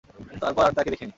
তারপর আর তাঁকে দেখিনি।